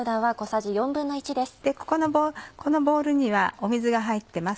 このボウルには水が入ってます。